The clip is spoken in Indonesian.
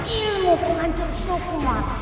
ilmu penghancur suku